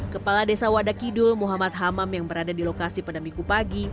kepala desa wadakidul muhammad hamam yang berada di lokasi pada minggu pagi